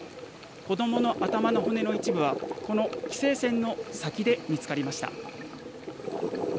子供の頭の骨の一部はこの規制線の先で見つかりました。